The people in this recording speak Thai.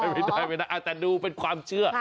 ไม่ได้แต่ดูเป็นความเชื่อ